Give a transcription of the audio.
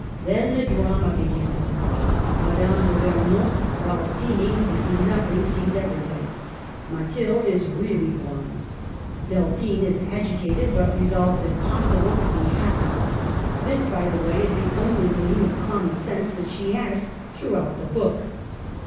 Then the drama begins. Madame de Vernon, while seeming to see nothing, sees everything. Mathilde is really blind. Delphine is agitated, but resolved, if possible, to be happy. This, by the way, is the only gleam of common sense that she has throughout the book.